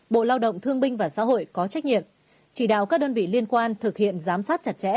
bộ lao động thương binh và xã hội có trách nhiệm chỉ đạo các đơn vị liên quan thực hiện giám sát chặt chẽ